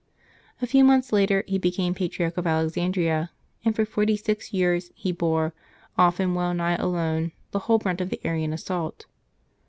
A few months later, he became Pa triarch of Alexandria, and for forty six years he bore, often well nigh alone, the whole brunt of the Arian assault.